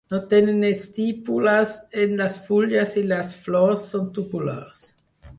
No tenen estípules en les fulles i les flors són tubulars.